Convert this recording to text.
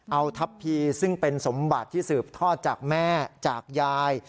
เอาทัพพีซึ่งเป็นสมบัติที่สืบทอดจากแม่จากยาย